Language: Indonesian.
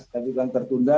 tapi bukan tertunda